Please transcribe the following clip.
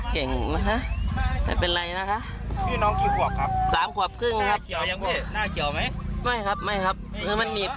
ขาติดนะครับตอนนี้